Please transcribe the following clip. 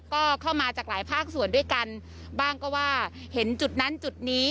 ก็เข้ามาจากหลายภาคส่วนด้วยกันบ้างก็ว่าเห็นจุดนั้นจุดนี้